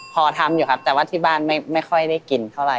พอทำอยู่ครับแต่ว่าที่บ้านไม่ค่อยได้กินเท่าไห